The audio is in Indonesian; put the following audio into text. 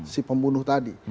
si pembunuh tadi